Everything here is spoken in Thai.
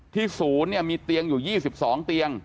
ศูนย์มีเตียงอยู่๒๒เตียง